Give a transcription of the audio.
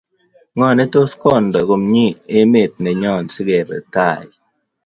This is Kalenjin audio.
Ngo ne tos kondoi komnye emet nenyon si kepe tai